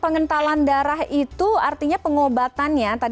pengentalan darah itu artinya pengobatannya